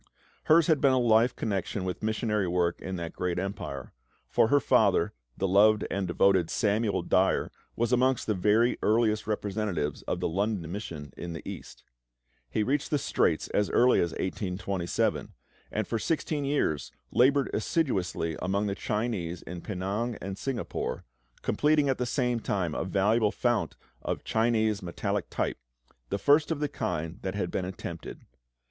Hers had been a life connection with missionary work in that great empire; for her father, the loved and devoted Samuel Dyer, was amongst the very earliest representatives of the London Mission in the East. He reached the Straits as early as 1827, and for sixteen years laboured assiduously amongst the Chinese in Penang and Singapore, completing at the same time a valuable fount of Chinese metallic type, the first of the kind that had then been attempted.